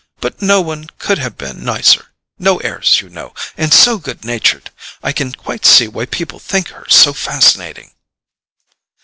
But no one could have been nicer—no airs, you know, and so good natured: I can quite see why people think her so fascinating."